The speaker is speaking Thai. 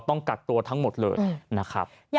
ต้องกักตัวทั้งหมดเลยนะครับ